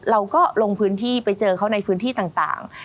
เราก็ลงพื้นที่ไปเจอเขาในพื้นที่ต่าง